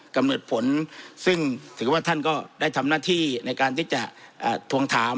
กำหนดผลซึ่งถือว่าท่านก็ได้ทำหน้าที่ในการที่จะทวงถาม